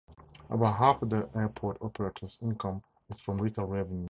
About half the airport operator's income is from retail revenue.